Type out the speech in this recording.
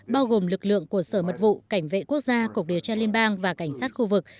bao gồm lực lượng của sở mật vụ cảnh vệ quốc gia cục điều tra liên bang và cảnh sát khu vực